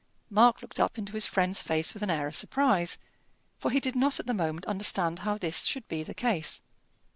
Mark looked up into his friend's face with an air of surprise, for he did not at the moment understand how this should be the case.